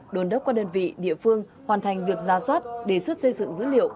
đồn đốc qua đơn vị địa phương hoàn thành việc ra soát đề xuất xây dựng dữ liệu